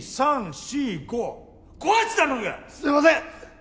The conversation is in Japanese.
すみません！